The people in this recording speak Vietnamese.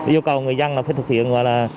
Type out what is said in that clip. yêu cầu người dân phải thực hiện